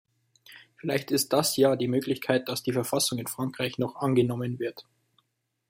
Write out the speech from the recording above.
Vielleicht ist das ja die Möglichkeit, dass die Verfassung in Frankreich noch angenommen wird.